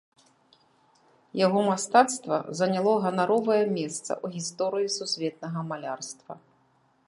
Яго мастацтва заняло ганаровае месца ў гісторыі сусветнага малярства.